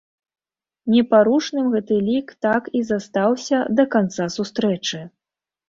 Непарушным гэты лік так і застаўся да канца сустрэчы.